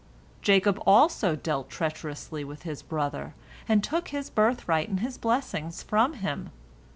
"Jacob also dealt treacherously with his brother, and took his birthright and his blessing from him.